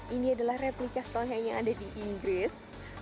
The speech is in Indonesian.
ini adalah replika stone yang ada di inggris